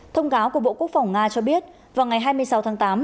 thông cáo của bộ quốc phòng nga cho biết vào ngày hai mươi sáu tháng tám